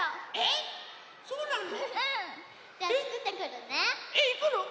えっいくの？